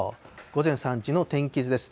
午前３時の天気図です。